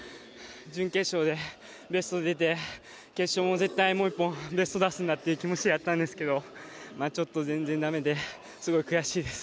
準決勝でベストが出て決勝も絶対、もう１本ベストを出すんだっていう気持ちでやったんですけどちょっと全然だめですごい悔しいです。